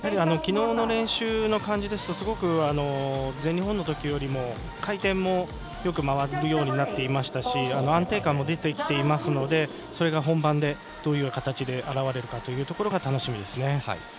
昨日の練習の感じですとすごく全日本のときより回転もよく回るようになって安定感も出てきていますのでそれが本番で、どういう形で表れるかというところが楽しみですね。